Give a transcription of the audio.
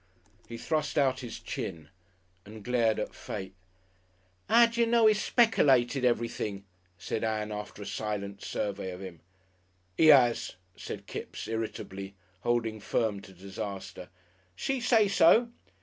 He thrust out his chin and glared at fate. "'Ow do you know 'e's speckylated everything?" said Ann, after a silent survey of him. "'E 'as," said Kipps, irritably, holding firm to disaster. "She say so?"